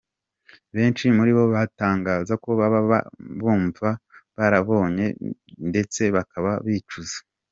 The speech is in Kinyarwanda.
Benshi muri bo batangaza ko baba bumva barahombye ndetse bakaba bicuza.